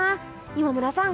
今村さん